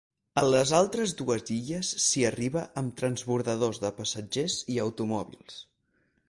A les altres dues illes s'hi arriba amb transbordadors de passatgers i automòbils.